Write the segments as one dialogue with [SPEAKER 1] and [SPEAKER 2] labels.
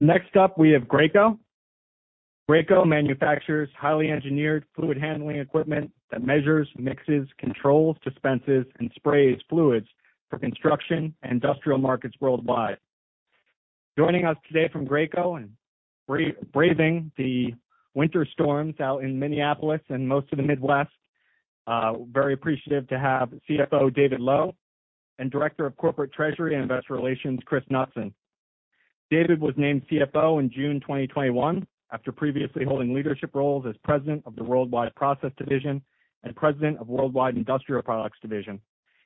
[SPEAKER 1] Next up, we have Graco. Graco manufactures highly engineered fluid handling equipment that measures, mixes, controls, dispenses, and sprays fluids for construction and industrial markets worldwide. Joining us today from Graco and braving the winter storms out in Minneapolis and most of the Midwest, very appreciative to have CFO David Lowe and Director of Corporate Treasury and Investor Relations, Chris Knutson. David was named CFO in June 2021 after previously holding leadership roles as President of the Worldwide Process Division and President of Worldwide Industrial Products Division.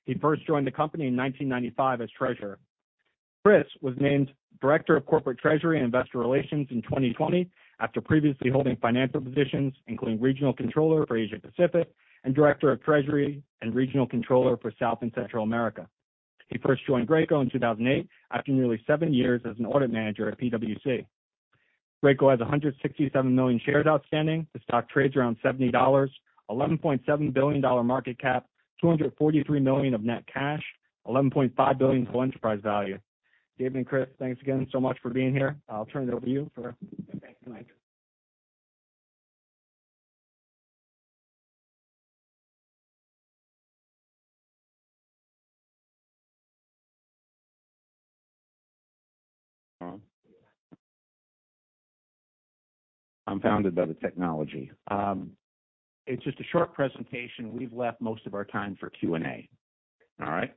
[SPEAKER 1] He first joined the company in 1995 as Treasurer. Chris was named Director of Corporate Treasury and Investor Relations in 2020 after previously holding financial positions, including Regional Controller for Asia Pacific and Director of Treasury and Regional Controller for South and Central America. He first joined Graco in 2008 after nearly seven years as an audit manager at PwC. Graco has 167 million shares outstanding. The stock trades around $70, $11.7 billion market cap, $243 million of net cash, $11.5 billion total enterprise value. David and Chris, thanks again so much for being here. I'll turn it over to you for the next slide.
[SPEAKER 2] Are founded on the technology. It's just a short presentation. We've left most of our time for Q&A. All right?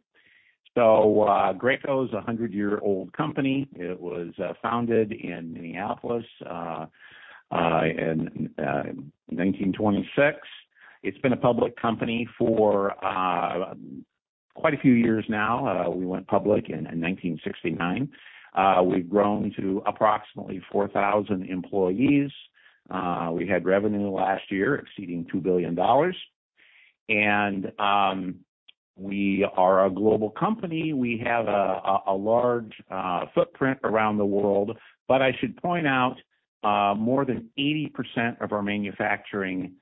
[SPEAKER 2] So Graco is a 100-year-old company. It was founded in Minneapolis in 1926. It's been a public company for quite a few years now. We went public in 1969. We've grown to approximately 4,000 employees. We had revenue last year exceeding $2 billion. And we are a global company. We have a large footprint around the world. But I should point out more than 80% of our manufacturing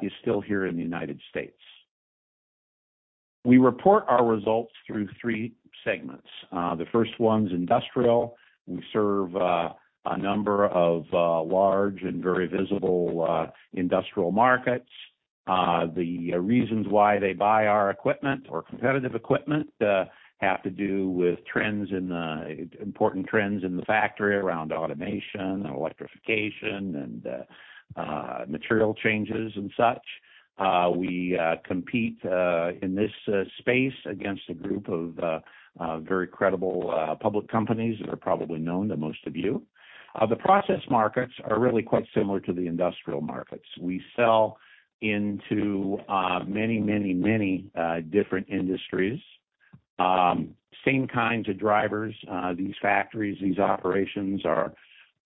[SPEAKER 2] is still here in the United States. We report our results through three segments. The first one's industrial. We serve a number of large and very visible industrial markets. The reasons why they buy our equipment or competitive equipment have to do with important trends in the factory around automation and electrification and material changes and such. We compete in this space against a group of very credible public companies that are probably known to most of you. The process markets are really quite similar to the industrial markets. We sell into many, many, many different industries. Same kinds of drivers. These factories, these operations are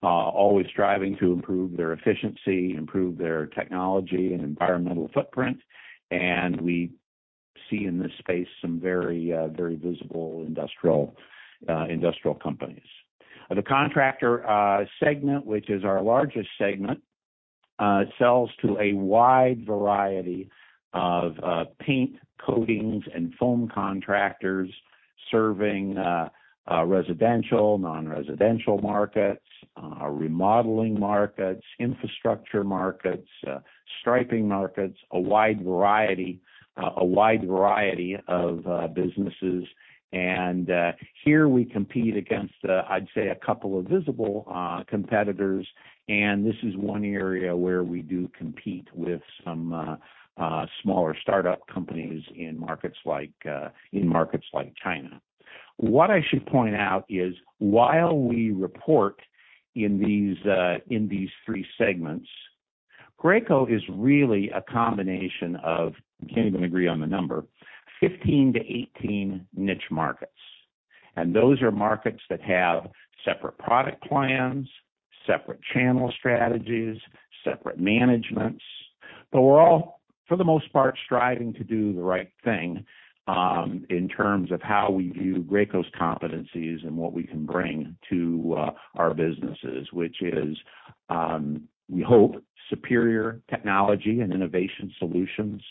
[SPEAKER 2] always striving to improve their efficiency, improve their technology and environmental footprint. And we see in this space some very, very visible industrial companies. The contractor segment, which is our largest segment, sells to a wide variety of paint, coatings, and foam contractors serving residential, non-residential markets, remodeling markets, infrastructure markets, striping markets, a wide variety of businesses. And here we compete against, I'd say, a couple of visible competitors. And this is one area where we do compete with some smaller startup companies in markets like China. What I should point out is while we report in these three segments, Graco is really a combination of (can't even agree on the number) 15-18 niche markets, and those are markets that have separate product plans, separate channel strategies, separate managements, but we're all, for the most part, striving to do the right thing in terms of how we view Graco's competencies and what we can bring to our businesses, which is, we hope, superior technology and innovation solutions,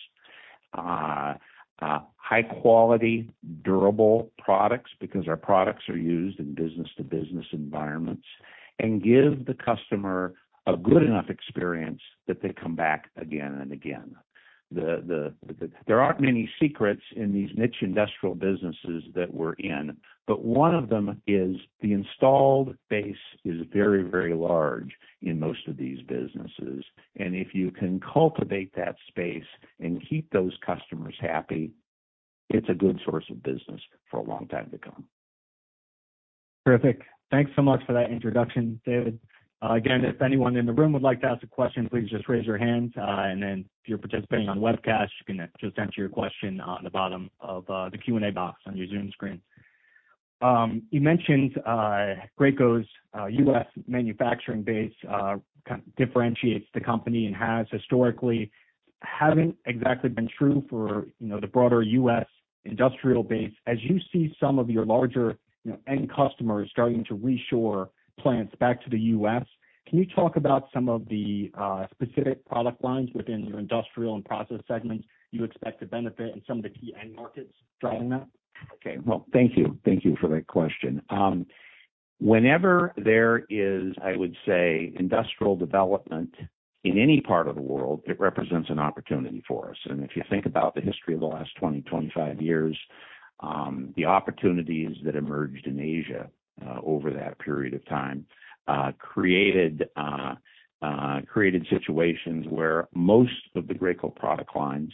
[SPEAKER 2] high-quality, durable products because our products are used in business-to-business environments, and give the customer a good enough experience that they come back again and again. There aren't many secrets in these niche industrial businesses that we're in, but one of them is the installed base is very, very large in most of these businesses. And if you can cultivate that space and keep those customers happy, it's a good source of business for a long time to come. Terrific. Thanks so much for that introduction, David. Again, if anyone in the room would like to ask a question, please just raise your hand, and then if you're participating on webcast, you can just enter your question on the bottom of the Q&A box on your Zoom screen. You mentioned Graco's U.S. manufacturing base differentiates the company and haven't exactly been true for the broader U.S. industrial base, as you see some of your larger end customers starting to reshore plants back to the U.S. Can you talk about some of the specific product lines within your industrial and process segments you expect to benefit and some of the key end markets driving that? Okay. Well, thank you. Thank you for that question. Whenever there is, I would say, industrial development in any part of the world, it represents an opportunity for us. And if you think about the history of the last 20, 25 years, the opportunities that emerged in Asia over that period of time created situations where most of the Graco product lines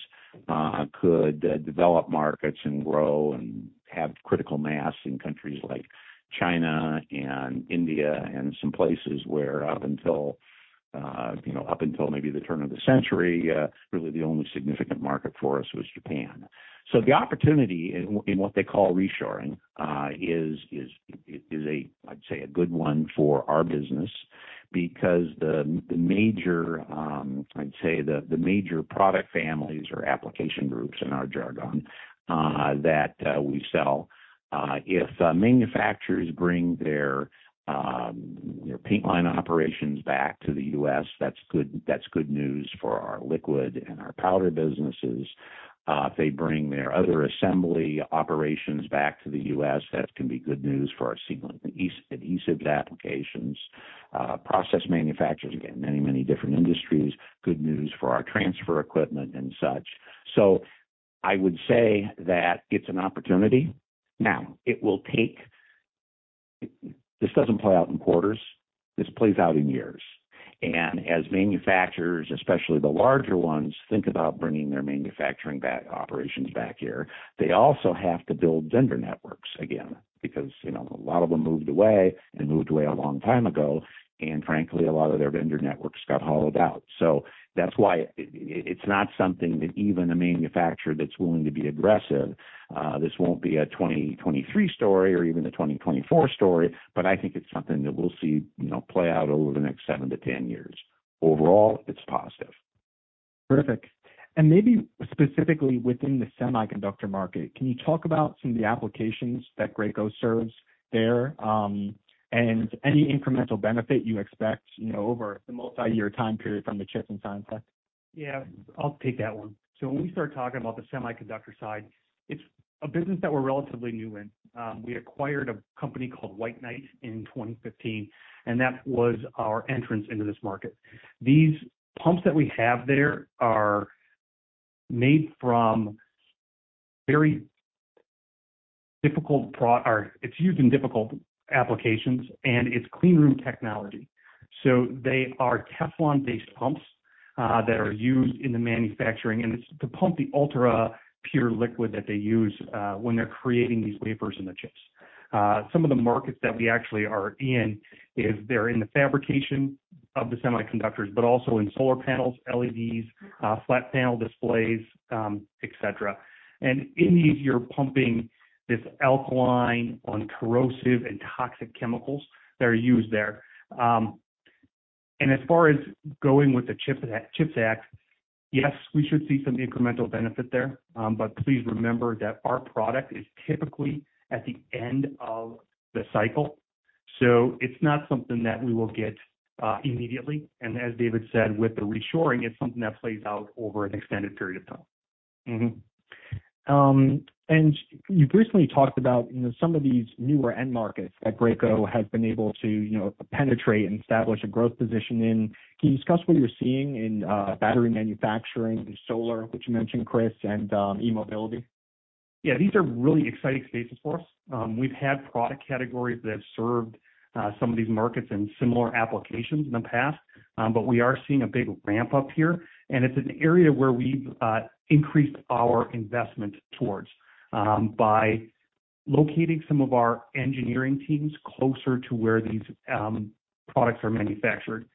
[SPEAKER 2] could develop markets and grow and have critical mass in countries like China and India and some places where up until maybe the turn of the century, really the only significant market for us was Japan. So the opportunity in what they call reshoring is, I'd say, a good one for our business because the major, I'd say, the major product families or application groups in our jargon that we sell, if manufacturers bring their paint line operations back to the U.S., that's good news for our liquid and our powder businesses. If they bring their other assembly operations back to the U.S., that can be good news for our sealant and adhesives applications. Process manufacturers, again, many, many different industries, good news for our transfer equipment and such. So I would say that it's an opportunity. Now, it will take. This doesn't play out in quarters. This plays out in years. As manufacturers, especially the larger ones, think about bringing their manufacturing operations back here, they also have to build vendor networks again because a lot of them moved away and moved away a long time ago. Frankly, a lot of their vendor networks got hollowed out. That's why it's not something that even a manufacturer that's willing to be aggressive (this won't be a 2023 story or even a 2024 story) but I think it's something that we'll see play out over the next seven to 10 years. Overall, it's positive. Perfect, and maybe specifically within the semiconductor market, can you talk about some of the applications that Graco serves there and any incremental benefit you expect over the multi-year time period from the CHIPS and Science Act?
[SPEAKER 3] Yeah. I'll take that one. So when we start talking about the semiconductor side, it's a business that we're relatively new in. We acquired a company called White Knight in 2015, and that was our entrance into this market. These pumps that we have there are made from very difficult. It's used in difficult applications, and it's cleanroom technology. So they are Teflon-based pumps that are used in the manufacturing. And it's to pump the ultra-pure liquid that they use when they're creating these wafers and the chips. Some of the markets that we actually are in is they're in the fabrication of the semiconductors, but also in solar panels, LEDs, flat panel displays, etc. And in these, you're pumping this alkaline and corrosive and toxic chemicals that are used there. And as far as going with the CHIPS Act, yes, we should see some incremental benefit there. But please remember that our product is typically at the end of the cycle. So it's not something that we will get immediately. And as David said, with the reshoring, it's something that plays out over an extended period of time. And you've recently talked about some of these newer end markets that Graco has been able to penetrate and establish a growth position in. Can you discuss what you're seeing in battery manufacturing and solar, which you mentioned, Chris, and e-mobility? Yeah. These are really exciting spaces for us. We've had product categories that have served some of these markets in similar applications in the past, but we are seeing a big ramp up here. And it's an area where we've increased our investment towards by locating some of our engineering teams closer to where these products are manufactured.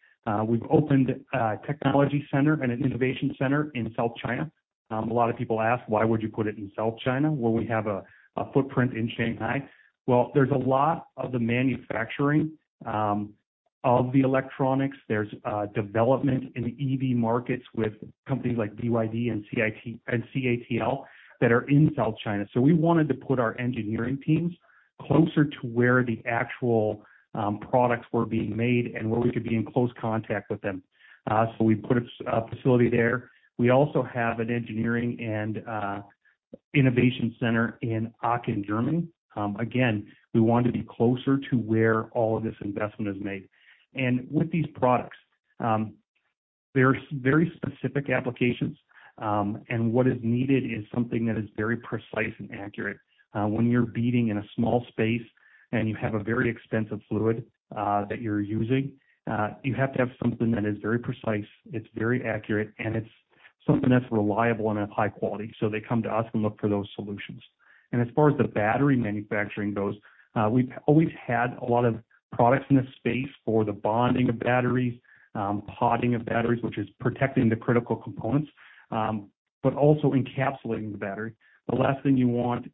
[SPEAKER 3] We've opened a technology center and an innovation center in South China. A lot of people ask, "Why would you put it in South China where we have a footprint in Shanghai?" Well, there's a lot of the manufacturing of the electronics. There's development in the EV markets with companies like BYD and CATL that are in South China. So we wanted to put our engineering teams closer to where the actual products were being made and where we could be in close contact with them. So we put a facility there. We also have an engineering and innovation center in Aachen, Germany. Again, we want to be closer to where all of this investment is made, and with these products, there are very specific applications, and what is needed is something that is very precise and accurate. When you're beading in a small space and you have a very expensive fluid that you're using, you have to have something that is very precise, it's very accurate, and it's something that's reliable and of high quality, so they come to us and look for those solutions, and as far as the battery manufacturing goes, we've always had a lot of products in this space for the bonding of batteries, potting of batteries, which is protecting the critical components, but also encapsulating the battery. The last thing you want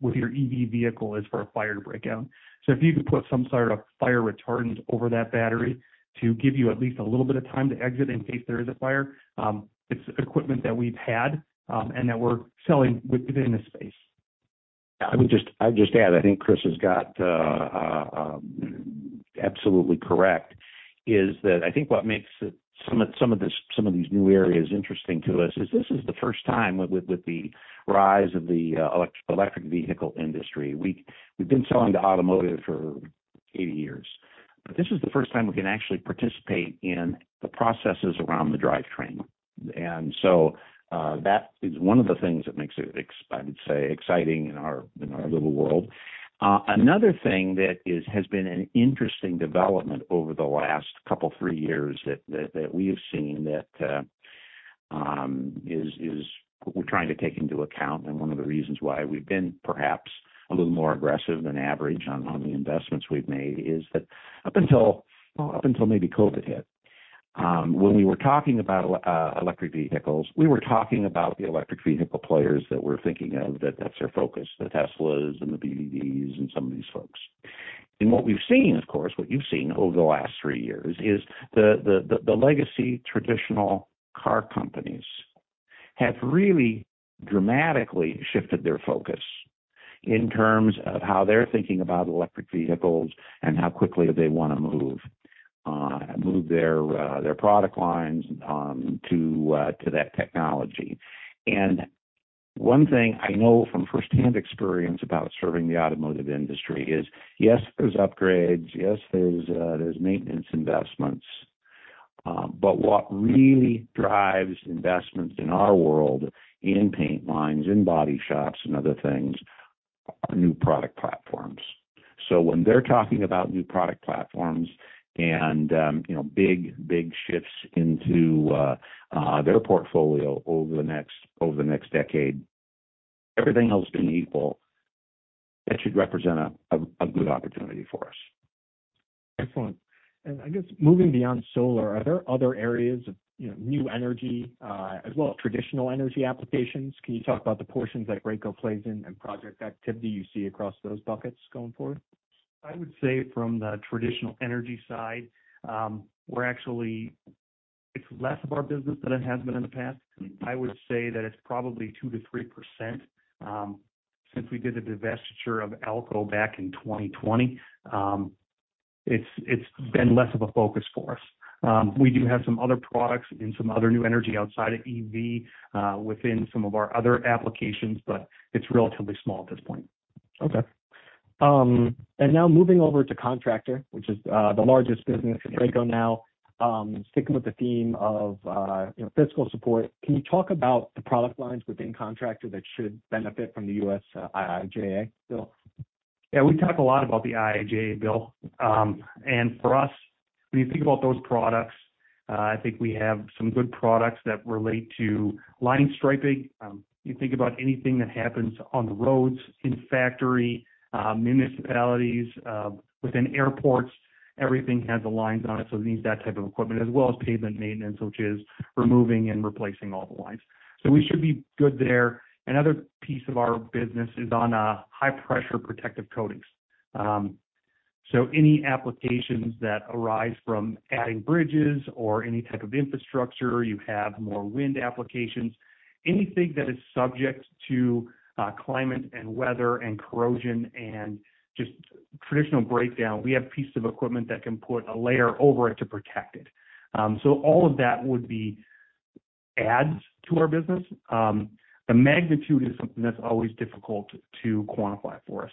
[SPEAKER 3] with your EV vehicle is for a fire to break out. So if you could put some sort of fire retardant over that battery to give you at least a little bit of time to exit in case there is a fire, it's equipment that we've had and that we're selling within this space.
[SPEAKER 2] I would just add, I think Chris has got absolutely correct, is that I think what makes some of these new areas interesting to us is this is the first time with the rise of the electric vehicle industry. We've been selling to automotive for 80 years. But this is the first time we can actually participate in the processes around the drivetrain, and so that is one of the things that makes it, I would say, exciting in our little world. Another thing that has been an interesting development over the last couple, three years that we have seen that we're trying to take into account. One of the reasons why we've been perhaps a little more aggressive than average on the investments we've made is that up until maybe COVID hit, when we were talking about electric vehicles, we were talking about the electric vehicle players that we're thinking of that that's their focus, the Teslas and the BMWs and some of these folks. What we've seen, of course, what you've seen over the last three years is the legacy traditional car companies have really dramatically shifted their focus in terms of how they're thinking about electric vehicles and how quickly they want to move their product lines to that technology. One thing I know from firsthand experience about serving the automotive industry is, yes, there's upgrades. Yes, there's maintenance investments. But what really drives investments in our world in paint lines, in body shops, and other things are new product platforms. So when they're talking about new product platforms and big, big shifts into their portfolio over the next decade, everything else being equal, that should represent a good opportunity for us. Excellent. And I guess moving beyond solar, are there other areas of new energy as well as traditional energy applications? Can you talk about the portions that Graco plays in and project activity you see across those buckets going forward?
[SPEAKER 3] I would say from the traditional energy side, it's less of our business than it has been in the past. I would say that it's probably 2%-3% since we did the divestiture of Alco back in 2020. It's been less of a focus for us. We do have some other products and some other new energy outside of EV within some of our other applications, but it's relatively small at this point. Okay. And now moving over to contractor, which is the largest business at Graco now, sticking with the theme of fiscal support, can you talk about the product lines within contractor that should benefit from the U.S. IIJA bill? Yeah. We talk a lot about the IIJA bill, and for us, when you think about those products, I think we have some good products that relate to line striping. You think about anything that happens on the roads in factories, municipalities, within airports; everything has the lines on it, so it needs that type of equipment, as well as pavement maintenance, which is removing and replacing all the lines, so we should be good there. Another piece of our business is on high-pressure protective coatings, so any applications that arise from adding bridges or any type of infrastructure; you have more wind applications. Anything that is subject to climate and weather and corrosion and just traditional breakdown, we have pieces of equipment that can put a layer over it to protect it, so all of that would add to our business. The magnitude is something that's always difficult to quantify for us.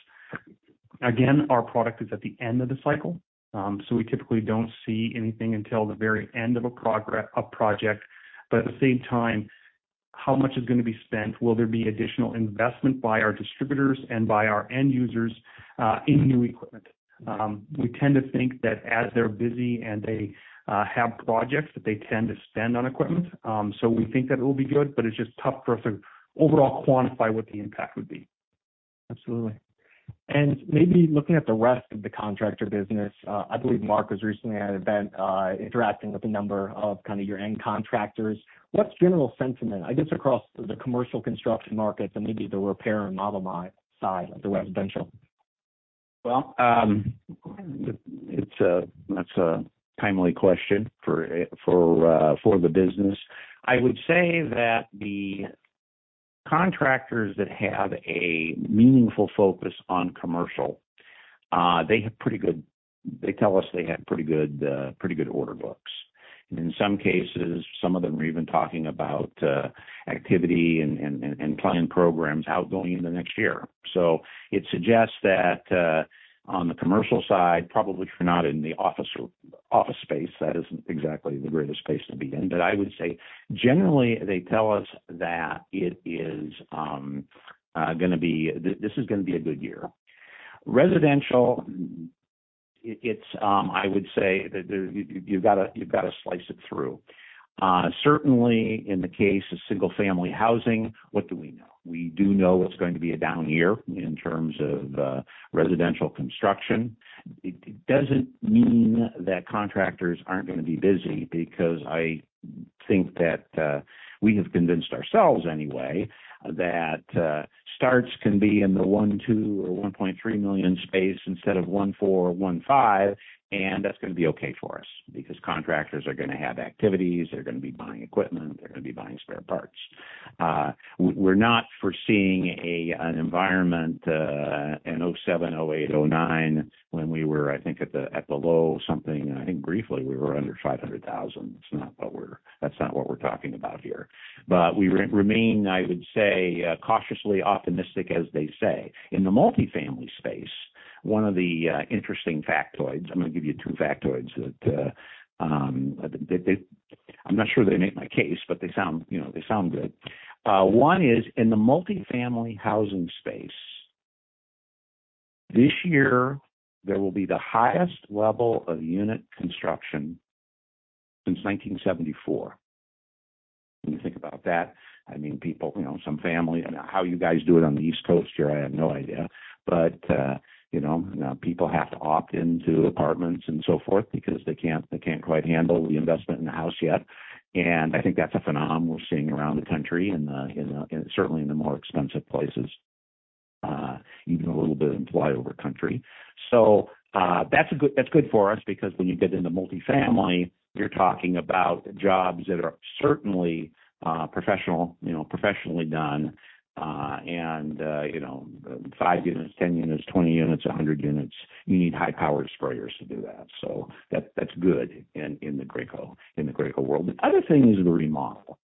[SPEAKER 3] Again, our product is at the end of the cycle. So we typically don't see anything until the very end of a project. But at the same time, how much is going to be spent? Will there be additional investment by our distributors and by our end users in new equipment? We tend to think that as they're busy and they have projects, that they tend to spend on equipment. So we think that it will be good, but it's just tough for us to overall quantify what the impact would be. Absolutely. And maybe looking at the rest of the contractor business, I believe Mark was recently at an event interacting with a number of kind of your end contractors. What's general sentiment, I guess, across the commercial construction markets and maybe the repair and remodel side, like the residential?
[SPEAKER 2] That's a timely question for the business. I would say that the contractors that have a meaningful focus on commercial, they tell us they have pretty good order books. In some cases, some of them are even talking about activity and plan programs outgoing in the next year. It suggests that on the commercial side, probably if you're not in the office space, that isn't exactly the greatest space to be in. I would say generally, they tell us that it is going to be a good year. Residential, I would say that you've got to slice it through. Certainly, in the case of single-family housing, what do we know? We do know it's going to be a down year in terms of residential construction. It doesn't mean that contractors aren't going to be busy because I think that we have convinced ourselves anyway that starts can be in the 1.2 or 1.3 million space instead of 1.4 or 1.5, and that's going to be okay for us because contractors are going to have activities. They're going to be buying equipment. They're going to be buying spare parts. We're not foreseeing an environment in 2007, 2008, 2009 when we were, I think, at the low something. I think briefly we were under 500,000. That's not what we're talking about here. But we remain, I would say, cautiously optimistic as they say. In the multifamily space, one of the interesting factoids. I'm going to give you two factoids that I'm not sure they make my case, but they sound good. One is in the multifamily housing space. This year, there will be the highest level of unit construction since 1974. When you think about that, I mean, some families, how you guys do it on the East Coast here, I have no idea, but people have to opt into apartments and so forth because they can't quite handle the investment in the house yet, and I think that's a phenomenon we're seeing around the country and certainly in the more expensive places, even a little bit implied over country, so that's good for us because when you get into multifamily, you're talking about jobs that are certainly professionally done, and five units, 10 units, 20 units, 100 units, you need high-powered sprayers to do that, so that's good in the Graco world. The other thing is the remodel,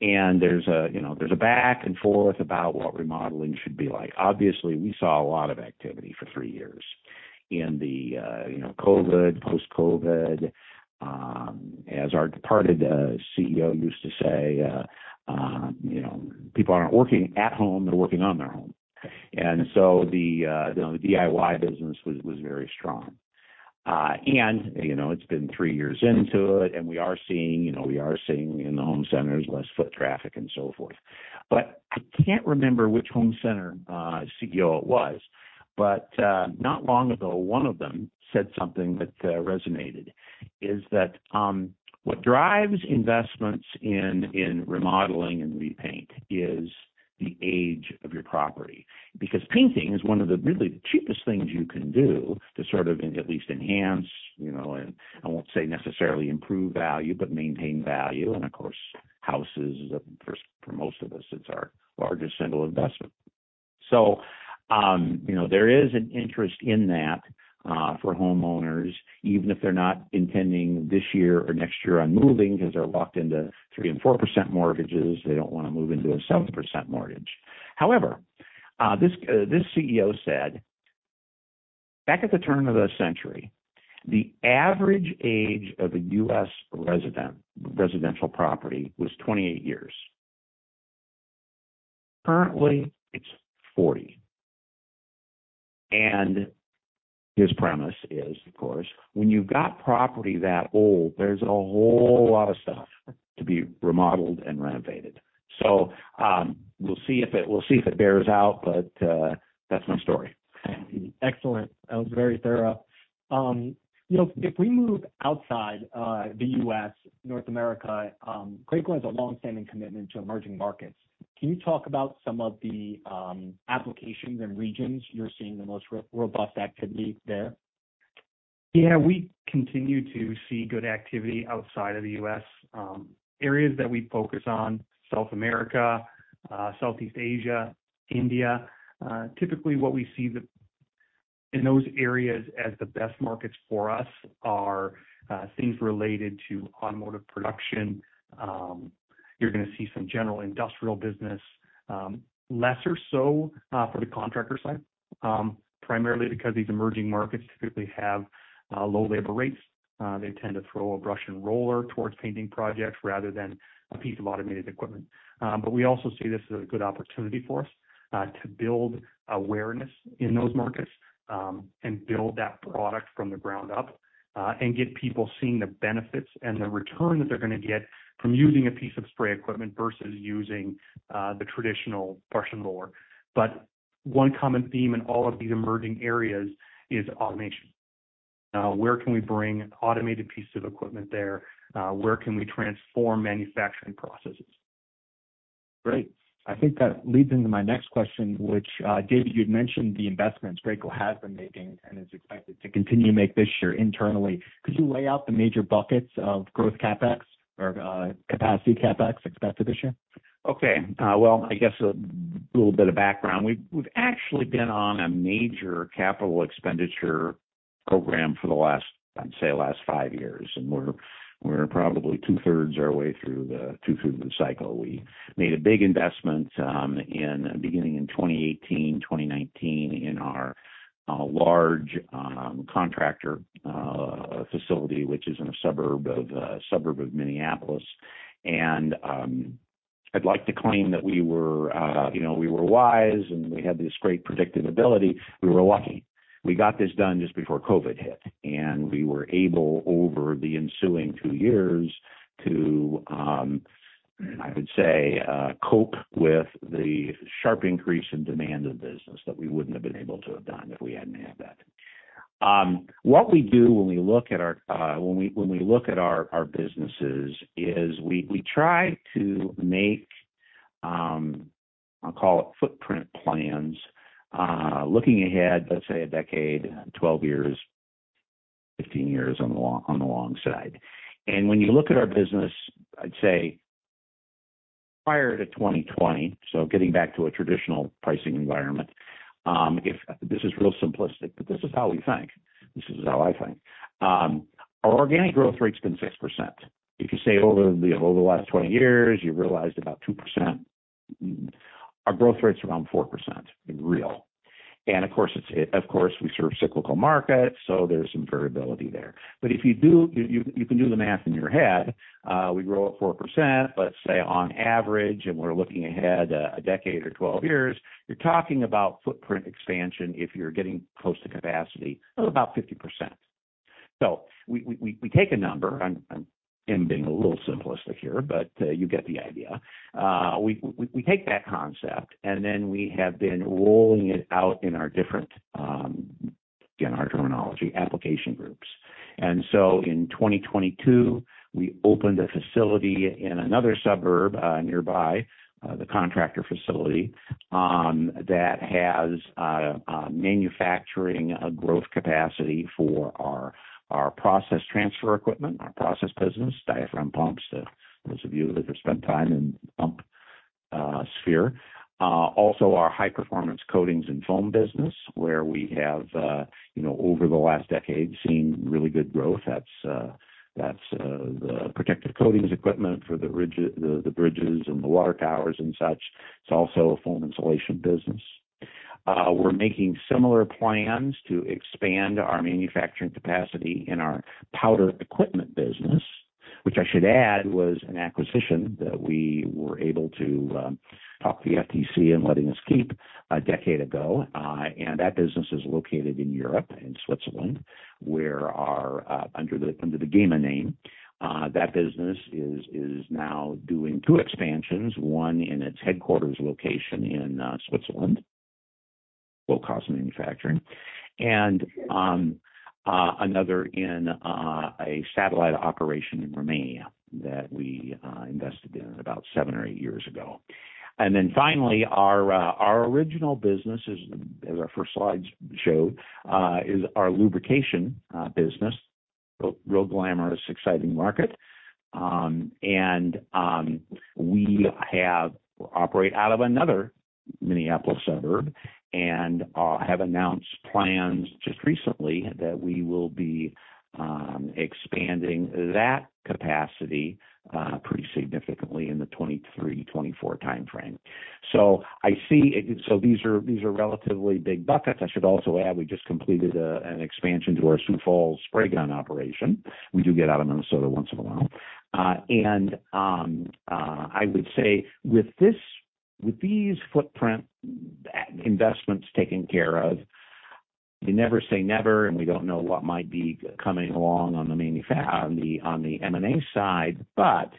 [SPEAKER 2] and there's a back and forth about what remodeling should be like. Obviously, we saw a lot of activity for three years in the COVID, post-COVID. As our departed CEO used to say, "People aren't working at home. They're working on their home." And so the DIY business was very strong. And it's been three years into it, and we are seeing - we are seeing in the home centers less foot traffic and so forth. But I can't remember which home center CEO it was, but not long ago, one of them said something that resonated, is that what drives investments in remodeling and repaint is the age of your property. Because painting is one of the really cheapest things you can do to sort of at least enhance - and I won't say necessarily improve value, but maintain value. And of course, houses, for most of us, it's our largest single investment. There is an interest in that for homeowners, even if they're not intending this year or next year on moving because they're locked into 3% and 4% mortgages. They don't want to move into a 7% mortgage. However, this CEO said, "Back at the turn of the century, the average age of a U.S. residential property was 28 years. Currently, it's 40." And his premise is, of course, when you've got property that old, there's a whole lot of stuff to be remodeled and renovated. So we'll see if it bears out, but that's my story. Excellent. That was very thorough. If we move outside the U.S., North America, Graco has a long-standing commitment to emerging markets. Can you talk about some of the applications and regions you're seeing the most robust activity there?
[SPEAKER 3] Yeah. We continue to see good activity outside of the U.S. Areas that we focus on: South America, Southeast Asia, India. Typically, what we see in those areas as the best markets for us are things related to automotive production. You're going to see some general industrial business, lesser so for the contractor side, primarily because these emerging markets typically have low labor rates. They tend to throw a brush and roller towards painting projects rather than a piece of automated equipment. But we also see this as a good opportunity for us to build awareness in those markets and build that product from the ground up and get people seeing the benefits and the return that they're going to get from using a piece of spray equipment versus using the traditional brush and roller. But one common theme in all of these emerging areas is automation. Where can we bring automated pieces of equipment there? Where can we transform manufacturing processes? Great. I think that leads into my next question, which, David, you'd mentioned the investments Graco has been making and is expected to continue to make this year internally. Could you lay out the major buckets of growth CapEx or capacity CapEx expected this year?
[SPEAKER 2] Okay. I guess a little bit of background. We've actually been on a major capital expenditure program for the last, I'd say, last five years. We're probably two-thirds our way through the cycle. We made a big investment beginning in 2018, 2019 in our large contractor facility, which is in a suburb of Minneapolis. I'd like to claim that we were wise and we had this great predictive ability. We were lucky. We got this done just before COVID hit. We were able, over the ensuing two years, to, I would say, cope with the sharp increase in demand of the business that we wouldn't have been able to have done if we hadn't had that. What we do when we look at our businesses is we try to make, I'll call it, footprint plans, looking ahead, let's say, a decade, 12 years, 15 years on the long side. When you look at our business, I'd say prior to 2020, so getting back to a traditional pricing environment, this is real simplistic, but this is how we think. This is how I think. Our organic growth rate's been 6%. If you say over the last 20 years, you've realized about 2%, our growth rate's around 4% in real. Of course, we serve cyclical markets, so there's some variability there. If you do, you can do the math in your head. We grow at 4%, but say on average, and we're looking ahead a decade or 12 years. You're talking about footprint expansion if you're getting close to capacity of about 50%. So we take a number. I'm being a little simplistic here, but you get the idea. We take that concept, and then we have been rolling it out in our different, again, our terminology, application groups. And so, in 2022, we opened a facility in another suburb nearby, the contractor facility, that has manufacturing growth capacity for our process transfer equipment, our process business, diaphragm pumps, to those of you that have spent time in the pump sphere. Also, our high-performance coatings and foam business, where we have, over the last decade, seen really good growth. That's the protective coatings equipment for the bridges and the water towers and such. It's also a foam insulation business. We're making similar plans to expand our manufacturing capacity in our powder equipment business, which I should add was an acquisition that we were able to talk the FTC into letting us keep a decade ago, and that business is located in Europe and in Switzerland under the Gema name. That business is now doing two expansions, one in its headquarters location in Switzerland, low-cost manufacturing, and another in a satellite operation in Romania that we invested in about seven or eight years ago, and then finally, our original business, as our first slides showed, is our lubrication business, real glamorous, exciting market, and we operate out of another Minneapolis suburb and have announced plans just recently that we will be expanding that capacity pretty significantly in the 23, 24 timeframe, so these are relatively big buckets. I should also add we just completed an expansion to our Sioux Falls spray gun operation. We do get out of Minnesota once in a while, and I would say with these footprint investments taken care of, we never say never, and we don't know what might be coming along on the M&A side, but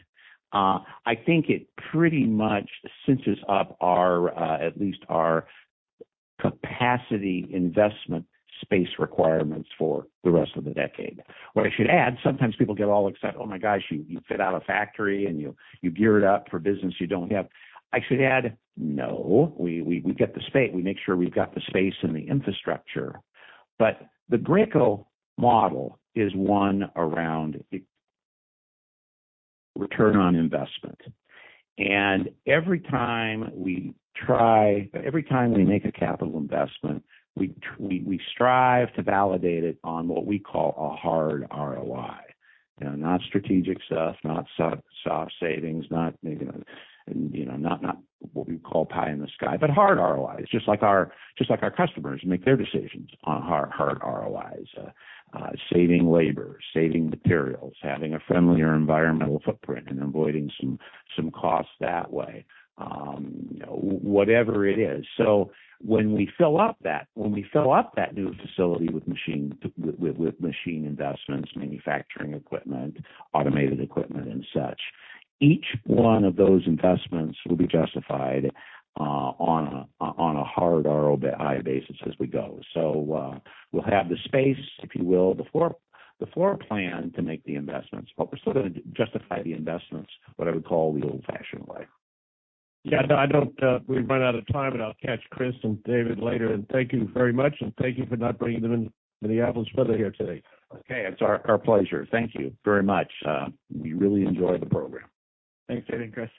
[SPEAKER 2] I think it pretty much cinches up at least our capacity investment space requirements for the rest of the decade, or I should add, sometimes people get all excited, "Oh my gosh, you fit out a factory and you gear it up for business you don't have." I should add, no. We make sure we've got the space and the infrastructure, but the Graco model is one around return on investment, and every time we try, every time we make a capital investment, we strive to validate it on what we call a hard ROI. Not strategic stuff, not soft savings, not what we would call pie in the sky, but hard ROIs. Just like our customers make their decisions on hard ROIs, saving labor, saving materials, having a friendlier environmental footprint, and avoiding some costs that way, whatever it is. So when we fill up that new facility with machine investments, manufacturing equipment, automated equipment, and such, each one of those investments will be justified on a hard ROI basis as we go. So we'll have the space, if you will, the floor plan to make the investments, but we're still going to justify the investments, what I would call the old-fashioned way. Yeah. I know we run out of time, and I'll catch Chris and David later, and thank you very much, and thank you for not bringing the Minneapolis weather here today. Okay. It's our pleasure. Thank you very much. We really enjoyed the program. Thanks, David, Chris.